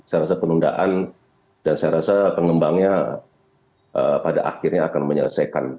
saya rasa penundaan dan saya rasa pengembangnya pada akhirnya akan menyelesaikan